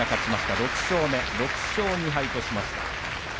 ６勝目、６勝２敗としました。